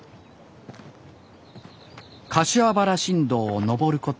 柏原新道を登ること